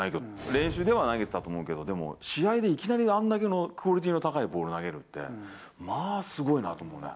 練習では投げてたと思うけど、でも、試合でいきなりあんだけのクオリティーの高いボール投げるって、まあ、すごいなと思うね。